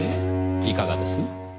いかがです？